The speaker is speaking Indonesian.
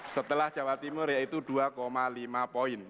setelah jawa timur yaitu dua lima poin